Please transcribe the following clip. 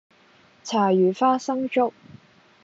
柴魚花生粥